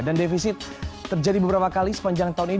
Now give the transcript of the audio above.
dan defisit terjadi beberapa kali sepanjang tahun ini